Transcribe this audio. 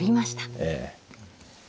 ええ。